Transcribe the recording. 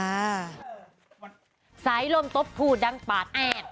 สายลมตบผู้ดังปาดแอด